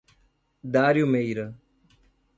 Dário Meira